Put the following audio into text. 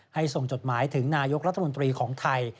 ส่งจดหมายถึงนายกรัฐมนตรีของไทย